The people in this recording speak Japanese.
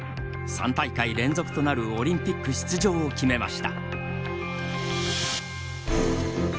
３大会連続となるオリンピック出場を決めました。